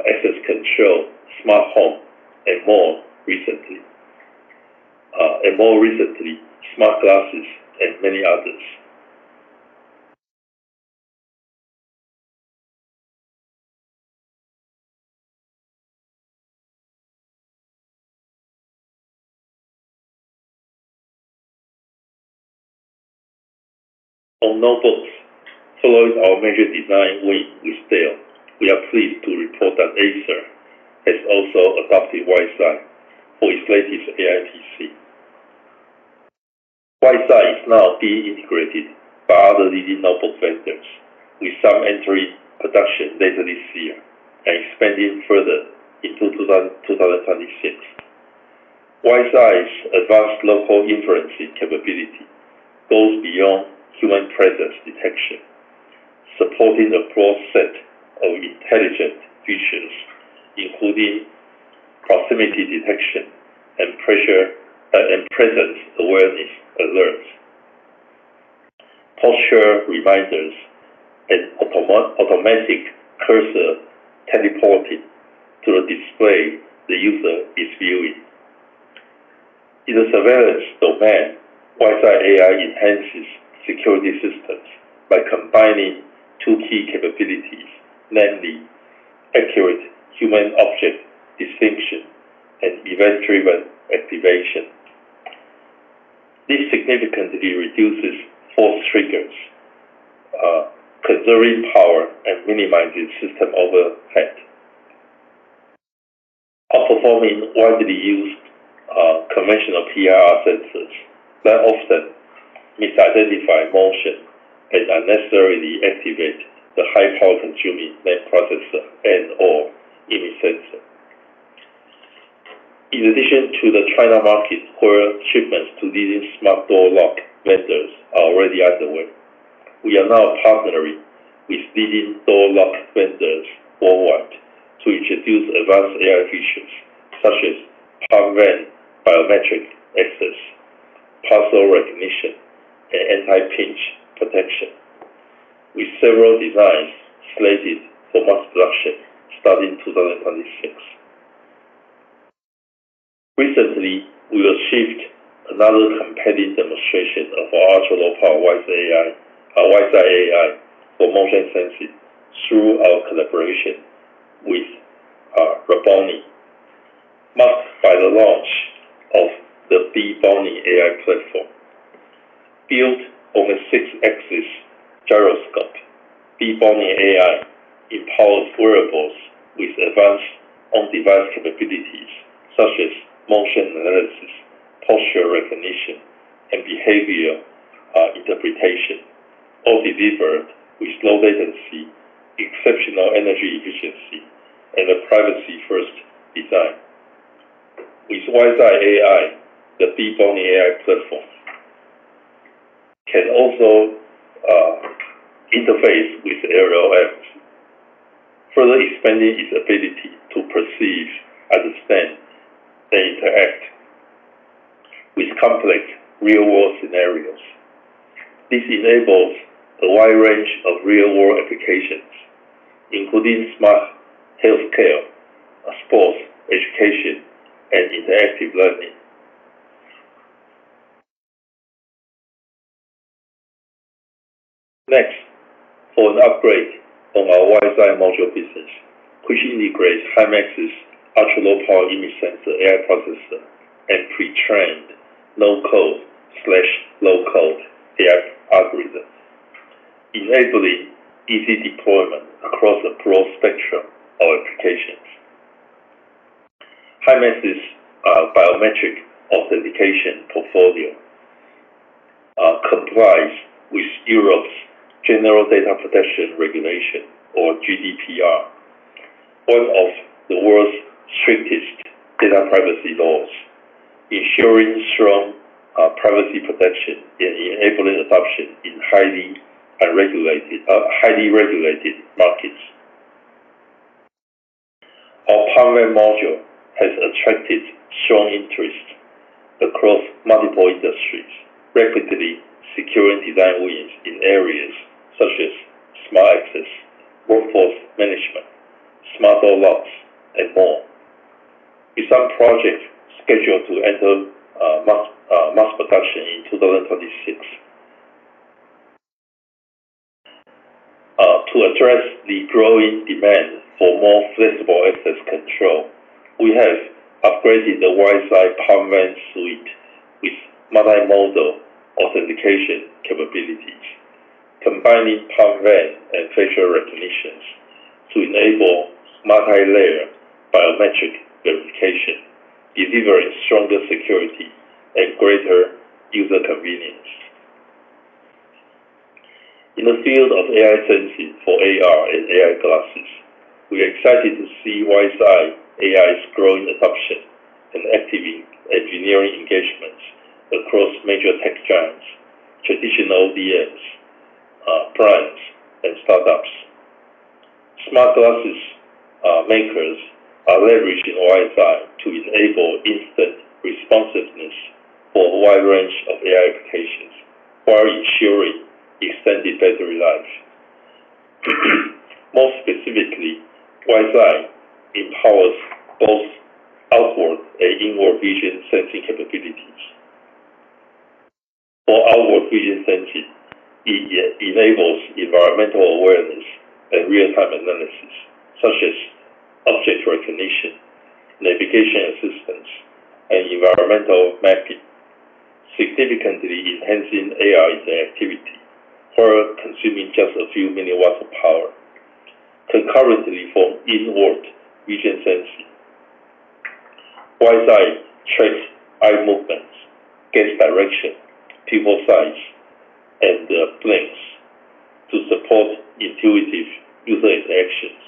access control, smart home, and more recently, AR glasses, and many others. On notebooks, following our major design win with Dell, we are pleased to report that Acer has also adopted WiseEye for its latest AI PC. WiseEye is now de-integrated by other leading notebook vendors, with some entering production later this year and expanding further into 2026. WiseEye's advanced note-hold inferencing capability goes beyond human presence detection, supporting a broad set of intelligent features, including proximity detection and presence awareness alerts, posture revisors, and automatic cursor teleporting to the display the user is viewing. In the surveillance domain, WiseEye AI enhances security systems by combining two key capabilities, namely accurate human-object distinction and event-driven activation. This significantly reduces false triggers, preserving power, and minimizing system overhead. Our performance widely uses conventional PIR sensors that often misidentify motion and unnecessarily activate the high-power consuming net processor and/or image sensor. In addition to the China market, where shipments to leading smart door lock vendors are already underway, we are now partnering with leading door lock vendors worldwide to introduce advanced AI features such as unmanned biometric access, partial recognition, and anti-pinch protection, with several designs slated for mass production starting in 2026. Recently, we received another competitive demonstration of our ultralow power WiseEye AI for motion sensing through our collaboration with Rebony, marked by the launch of the eBony AI platform. Built on a six-axis gyroscope, eBony AI empowers wearables with advanced on-device capabilities such as motion analysis, posture recognition, and behavior interpretation, all delivered with low latency, exceptional energy efficiency, and a privacy-first design. With WiseEye AI, the eBony AI platform can also interface with LLMs, further expanding its ability to perceive, understand, and interact with complex real-world scenarios. This enables a wide range of real-world applications, including smart healthcare, sports, education, and interactive learning. Next, for an upgrade on our WiseEye module business, which integrates Himax's ultralow power image sensor AI processor and pre-trained no-code/low-code AI algorithm, enabling easy deployment across a broad spectrum of applications. Himax's biometric authentication portfolio complies with EU General Data Protection Regulation, or GDPR, one of the world's strictest data privacy laws, ensuring strong privacy protection and enabling adoption in highly regulated markets. Our partner module has attracted strong interest across multiple industries, rapidly securing design wins in areas such as smart access, workforce management, smart door locks, and more, with some projects scheduled to enter mass production in 2026. To address the growing demand for more flexible access control, we have upgraded the WiseEye PalmVAN suite with multimodal authentication capabilities, combining PalmVAN and facial recognition to enable multi-layer biometric verification, delivering stronger security and greater user convenience. In the field of AI sensing for AR glasses and AI glasses, we are excited to see WiseEye AI's growing adoption and actively engineering engagements across major tech giants, traditional ODMs, brands, and startups. Smart glasses makers are leveraging WiseEye to enable instant responsiveness for a wide range of AI applications while ensuring extended battery lives. More specifically, WiseEye empowers both outward and inward vision sensing capabilities. For outward vision sensing, it enables environmental awareness and real-time analysis, such as object recognition, navigation assistance, and environmental mapping, significantly enhancing AI interactivity while consuming just a few milliwatts of power. Concurrently, for inward vision sensing, WiseEye tracks eye movements, gaze direction, people's size, and their length to support intuitive user interactions.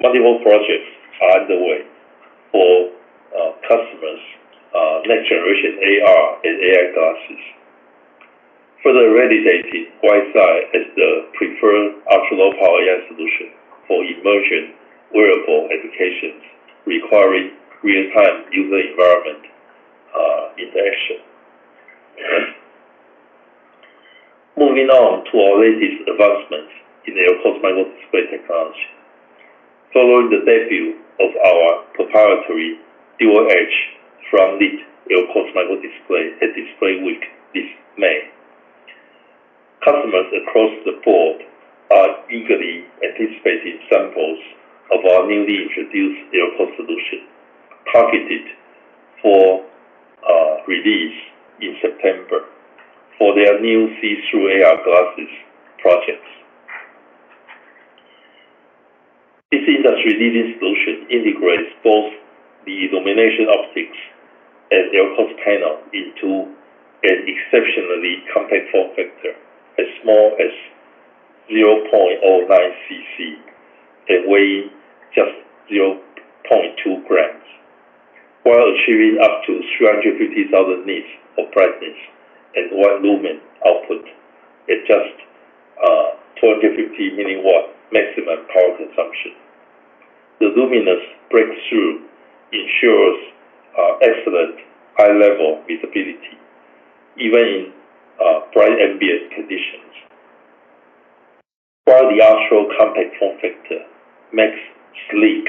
Multiple projects are underway for customers' next-generation AR and AI glasses, further validating WiseEye as the preferred ultralow power AI solution for emerging wearable applications requiring real-time user environment interaction. Moving on to our latest advancements in the AR microdisplay technology. Following the debut of our proprietary dual-edge front-lit AR microdisplay at Display Week this May, customers across the board are eagerly anticipating samples of our newly introduced AR solution, targeted for release in September for their new see-through AR glasses projects. This industry-leading solution integrates both the illumination optics and AR glass panel into an exceptionally compact form factor as small as 0.09 cc and weighing just 0.2 grams, while achieving up to 350,000 nits of brightness and one lumen output at just 250 mW maximum power consumption. The luminous breakthrough ensures excellent high-level visibility even in bright ambient conditions. The ultra-compact form factor makes sleek,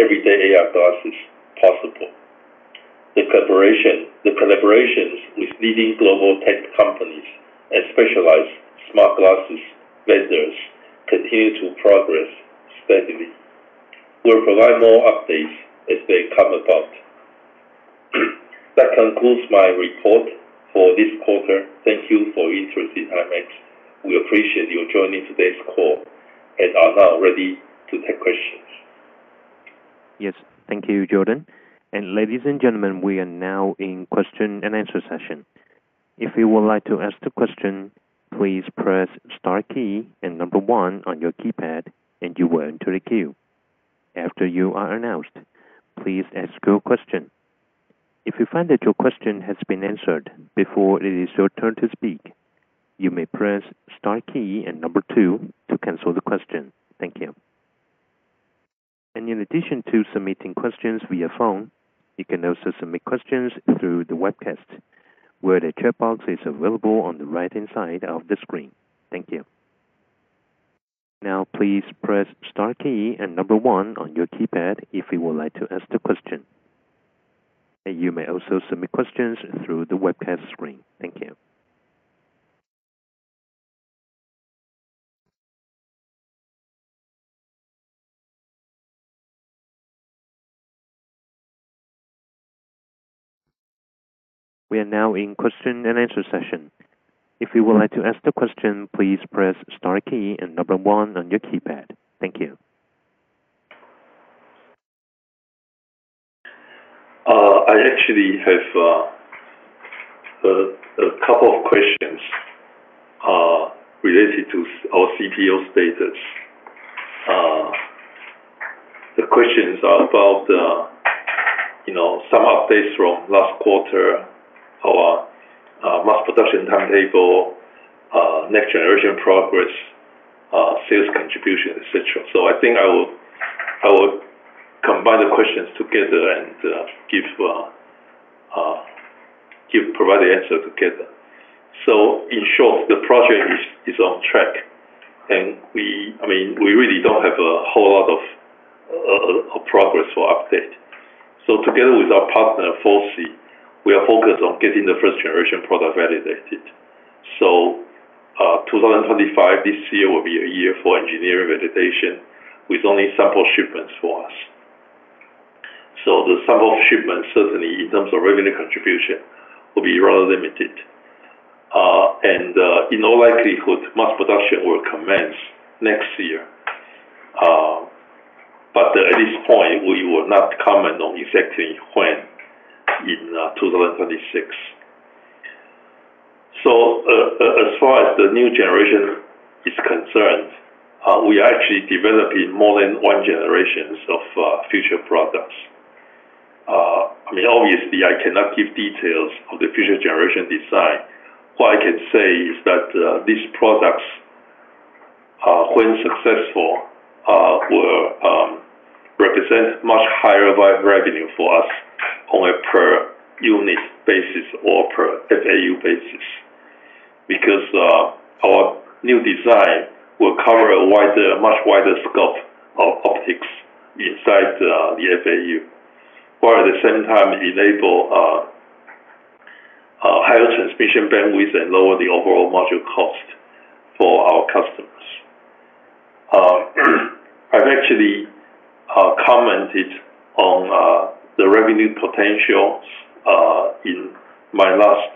everyday AR glasses possible. The collaborations with leading global tech companies and specialized smart glasses vendors continue to progress steadily. We'll provide more updates as they come about. That concludes my report for this quarter. Thank you for your interest in Himax. We appreciate your joining today's call and are now ready to take questions. Yes. Thank you, Jordan. Ladies and gentlemen, we are now in the question and answer session. If you would like to ask a question, please press the star key and number one on your keypad, and you will enter the queue. After you are announced, please ask your question. If you find that your question has been answered before it is your turn to speak, you may press the star key and number two to cancel the question. Thank you. In addition to submitting questions via phone, you can also submit questions through the webcast, where the chat box is available on the right-hand side of the screen. Thank you. Please press the star key and number one on your keypad if you would like to ask a question. You may also submit questions through the webcast screen. Thank you. We are now in the question and answer session. If you would like to ask a question, please press the star key and number one on your keypad. Thank you. I actually have a couple of questions related to ourRSU status. The questions are about some updates from last quarter, our mass production timetable, next-generation progress, sales contribution, etc. I think I will combine the questions together and provide the answer together. In short, the project is on track. We really don't have a whole lot of progress or update. Together with our partner FOCI, we are focused on getting the first-generation product validated. 2025, this year will be a year for engineering validation with only cycle shipments for us. The cycle shipment, certainly in terms of revenue contribution, will be rather limited. In all likelihood, mass production will commence next year. At this point, we will not comment on exactly when in 2026. As far as the new generation is concerned, we are actually developing more than one generation of future products. Obviously, I cannot give details of the future generation design. What I can say is that these products, when successful, will represent much higher revenue for us on a per unit basis or per FAU basis because our new design will cover a much wider scope of optics inside the FAU, while at the same time enables higher transmission bandwidth and lowers the overall module cost for our customers. I've actually commented on the revenue potential in my last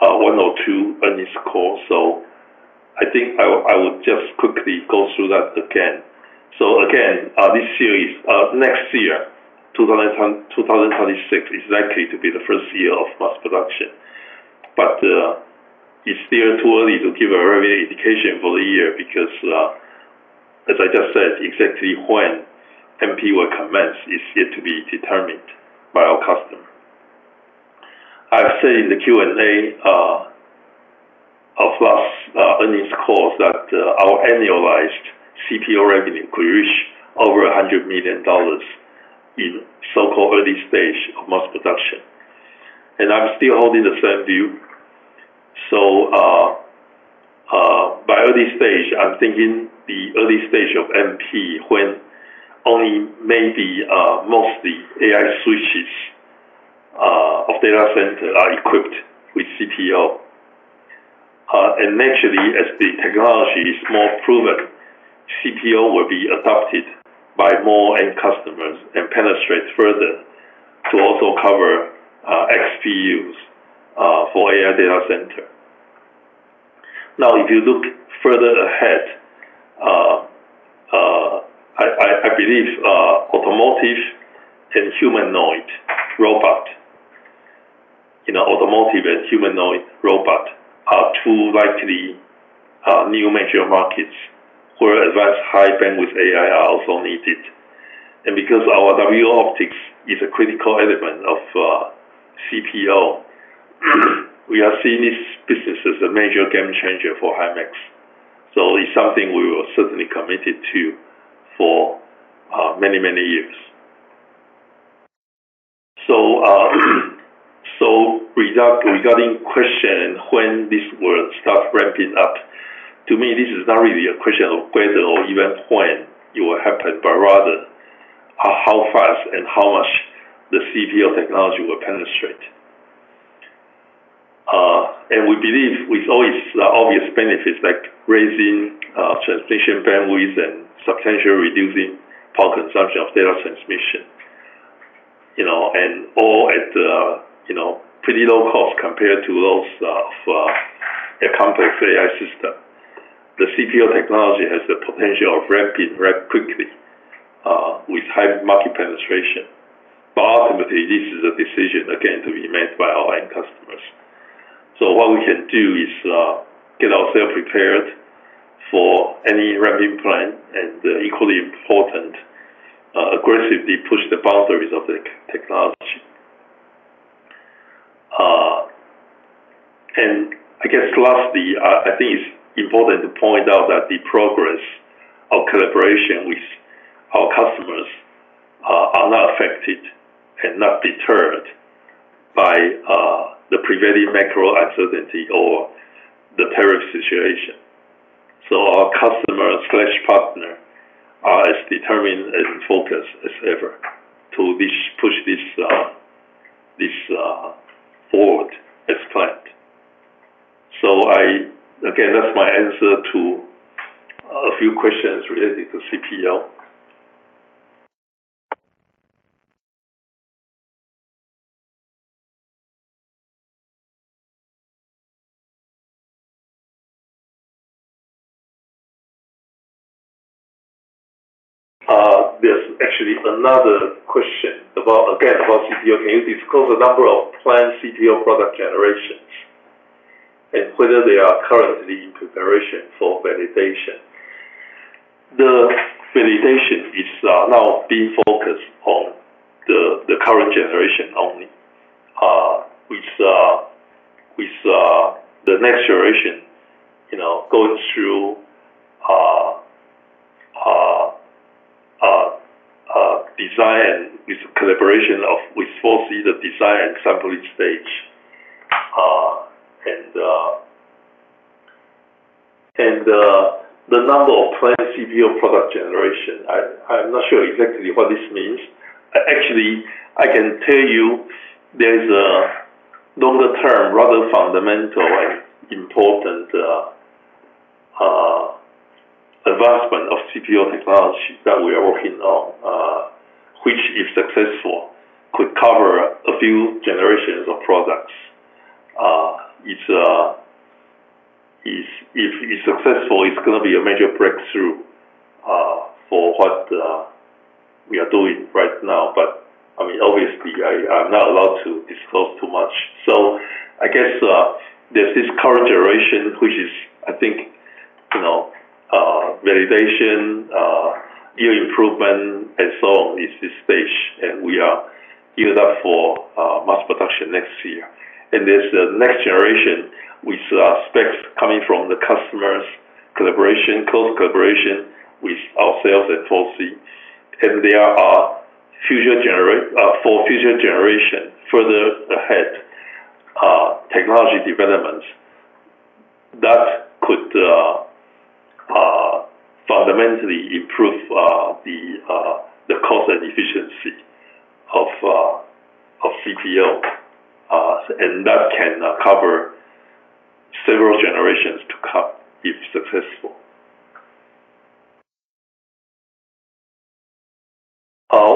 one or two earnings calls, so I think I will just quickly go through that again. This year is next year, 2026 is likely to be the first year of mass production. It's still too early to give a revenue indication for the year because, as I just said, exactly when MP will commence is yet to be determined by our customer. I've said in the Q&A of last earnings calls that our annualized CPO revenue could reach over $100 million in so-called early stage of mass production. I'm still holding the same view. By early stage, I'm thinking the early stage of MP when only maybe mostly AI switches of data center are equipped with CPO. Naturally, as the technology is more proven, CPO will be adopted by more end customers and penetrate further to also cover XPUs for AI data center. If you look further ahead, I believe automotive and humanoid robot, you know, automotive and humanoid robot are two likely new major markets where advanced high bandwidth AI are also needed. Because our WLO optics is a critical element of co-packaged optics (CPO), we are seeing this business as a major game changer for Himax. It's something we were certainly committed to for many, many years. Regarding the question of when this will start ramping up, to me, this is not really a question of whether or even when it will happen, but rather how fast and how much the CPO technology will penetrate. We believe with all its obvious benefits like raising transmission bandwidth and substantially reducing power consumption of data transmission, and all at a pretty low cost compared to those of a complex AI system, the CPO technology has the potential of ramping quickly with high market penetration. Ultimately, this is a decision again to be made by our end customers. What we can do is get ourselves prepared for any ramping plan and, equally important, aggressively push the boundaries of the technology. Lastly, I think it's important to point out that the progress of collaboration with our customers is not affected and not deterred by the prevailing macro uncertainty or the tariff situation. Our customer/partner is as determined and focused as ever to push this forward as planned. That's my answer to a few questions related to CPO. There's actually another question again about CPO. Can you disclose the number of planned CPO product generations and whether they are currently in preparation for validation? The validation is now being focused on the current generation only, with the next generation going through design and collaboration with FOCI, the design and sampling stage. The number of planned CPO product generations, I'm not sure exactly what this means. Actually, I can tell you there's a longer-term, rather fundamental and important advancement of CPO technology that we are working on, which, if successful, could cover a few generations of products. If it's successful. It's going to be a major breakthrough for what we are doing right now. Obviously, I'm not allowed to disclose too much. I guess there's this current generation, which is, I think, validation, your improvement, and so on, is this stage. We are in that for mass production next year. There's the next generation, which are specs coming from the customers' collaboration, close collaboration with ourselves at FOCI. They are a future generation for future generation further ahead, technology developments that could fundamentally improve the cost and efficiency of co-packaged optics (CPO). That can cover several generations to come if successful.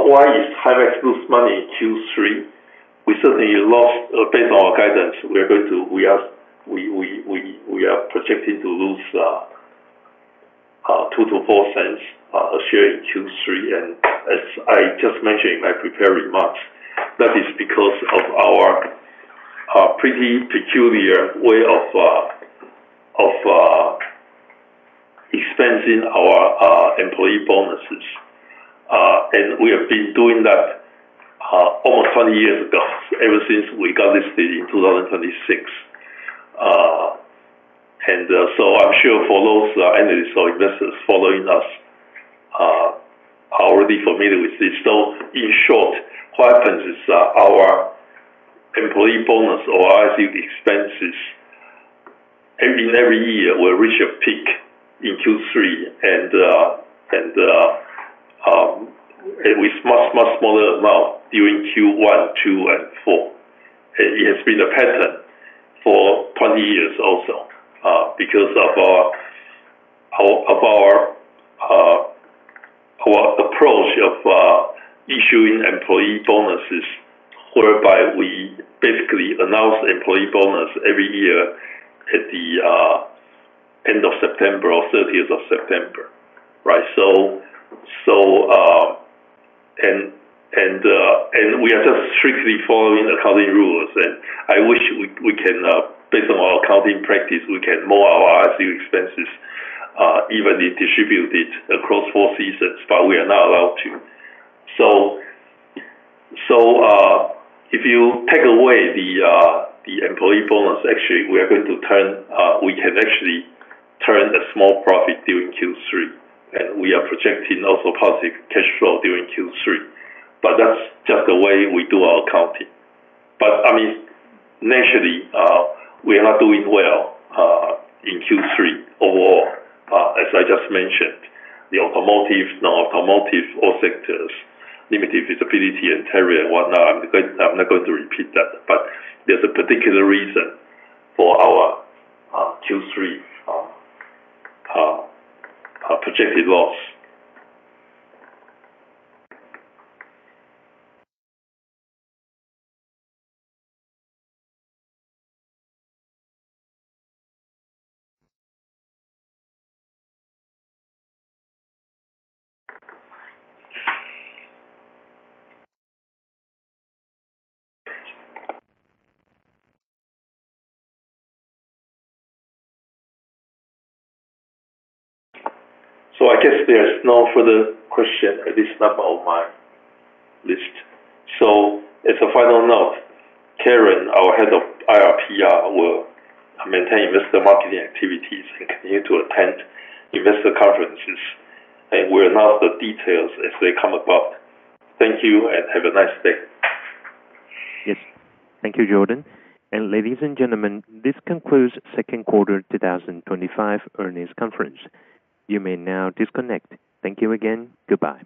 Why if Himax lose money Q3? We certainly lost, based on our guidance, we are projecting to lose $0.02-$0.04 a share in Q3. As I just mentioned in my prepared remarks, that is because of our pretty peculiar way of expensing our employee bonuses. We have been doing that almost 20 years ago, ever since we got listed in 2006. I'm sure for those analysts or investors following us, are already familiar with this. In short, quite frankly, it's our employee bonus or our RSU expenses. Every year, we reach a peak in Q3, with much, much smaller amount during Q1, Q2, and Q4. It has been a pattern for 20 years also because of our approach of issuing employee bonuses whereby we basically announce employee bonus every year at the end of September or 30th of September, right? We are just strictly following accounting rules. I wish we can, based on our accounting practice, move our RSU expenses, even if distributed across four seasons, but we are not allowed to. If you take away the employee bonus, actually, we are going to turn, we can actually turn a small profit during Q3. We are projecting also positive cash flow during Q3. That's just the way we do our accounting. Naturally, we are not doing well in Q3 overall, as I just mentioned, the automotive, non-automotive, all sectors, limited visibility and tariff and whatnot. I'm not going to repeat that. There's a particular reason for our Q3 reasons. I guess there's no further question at this number of my list. As a final note, Karen, our Head of IR/PR, will maintain investor marketing activities and continue to attend investor conferences. We'll announce the details as they come about. Thank you and have a nice day. Yes. Thank you, Jordan. Ladies and gentlemen, this concludes the second quarter 2025 earnings conference. You may now disconnect. Thank you again. Goodbye.